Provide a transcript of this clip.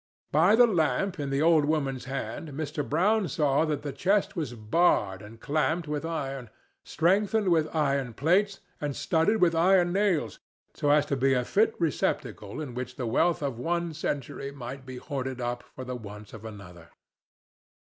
By the lamp in the old woman's hand Mr. Brown saw that the chest was barred and clamped with iron, strengthened with iron plates and studded with iron nails, so as to be a fit receptacle in which the wealth of one century might be hoarded up for the wants of another.